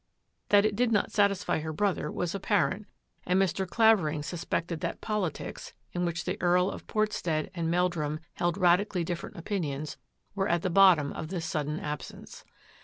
That it did not satisfy her brother was ap parent, and Mr. Clavering suspected that politics, in which the Earl of Portstead and Meldrum held radically different opinions, were at the bottom of this sudden absence.